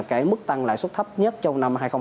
cái mức tăng lại suất thấp nhất trong năm